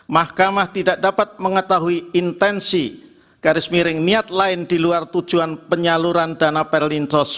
mahkamah tidak dapat mengetahui intensi garis miring niat lain di luar tujuan penyaluran dana perlinsos